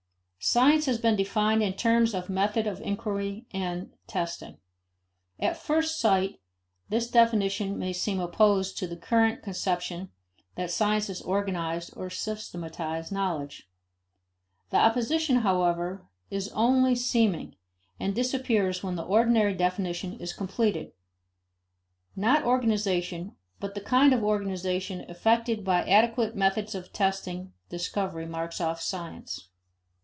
Science has been defined in terms of method of inquiry and testing. At first sight, this definition may seem opposed to the current conception that science is organized or systematized knowledge. The opposition, however, is only seeming, and disappears when the ordinary definition is completed. Not organization but the kind of organization effected by adequate methods of tested discovery marks off science.